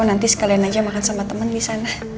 nanti sekalian aja makan sama temen disana